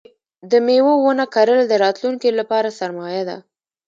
د مېوو ونه کرل د راتلونکي لپاره سرمایه ده.